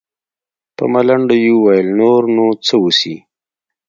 په ملنډو يې وويل نور نو څه وسي.